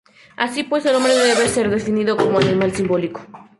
Así pues el hombre debe ser definido como animal simbólico.